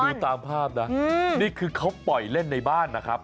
ดูตามภาพนะนี่คือเขาปล่อยเล่นในบ้านนะครับ